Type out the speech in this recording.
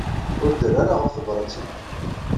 Ur d-terri ara ɣef tebṛat-iw.